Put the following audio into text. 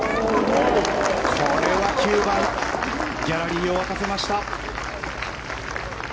これは９番ギャラリーを沸かせました。